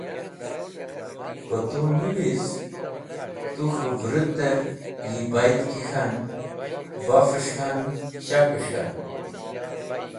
Ko tu niwiz, tu k̃hũ vũrũter yi bayd ki k̃han, bafes̃h k̃han, shakes̃h k̃han.